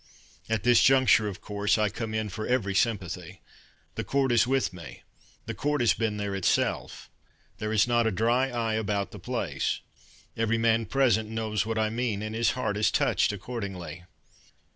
At this juncture of course I come in for every sympathy: The Court is with me, The Court has been there itself; There is not a dry eye about the place, Every man present knows what I mean, And his heart is touched accordingly.